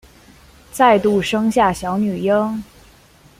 再度生下小女婴